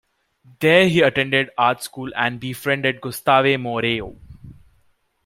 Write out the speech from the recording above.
There he attended art school and befriended Gustave Moreau.